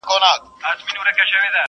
يا دي ښايي بله سترگه در ړنده كړي!.